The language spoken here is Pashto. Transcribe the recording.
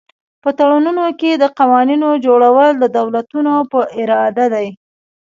په تړونونو کې د قوانینو جوړول د دولتونو په اراده دي